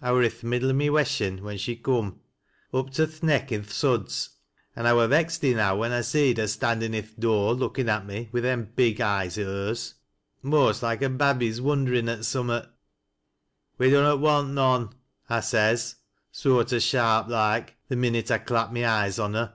"I wur i' th' middle o' my weshin when she coom, — up to th' neck i' th' suds, — and I wur vexed enow when 1 seed hei standin' i' th' door, lookin' at me wi' them big eyes o' hers — most loike a babby's wonderin' at sumraat. ' We dun not want none,' I says, soart o' sharp loike, th' minute 1 clapped my eyes on her.